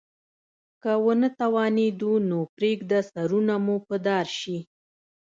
که ونه توانیدو نو پریږده سرونه مو په دار شي.